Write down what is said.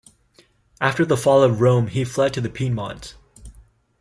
After the fall of Rome he fled to Piedmont.